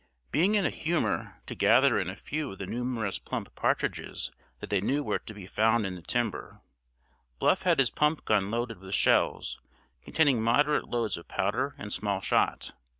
Being in a humor to gather in a few of the numerous plump partridges that they knew were to be found in the timber, Bluff had his pump gun loaded with shells containing moderate loads of powder and small shot.